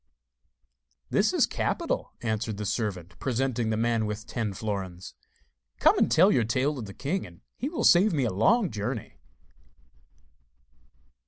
'That is capital,' answered the servant, presenting the man with ten florins. 'Come and tell your tale to the king, and you will save me a long journey.